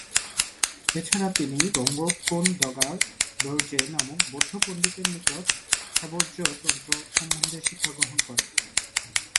এছাড়া তিনি র্ঙ্গোগ-কুন-দ্গা'-র্দো-র্জে নামক বৌদ্ধ পন্ডিতের নিকট হেবজ্র তন্ত্র সম্বন্ধে শিক্ষাগ্রহণ করেন।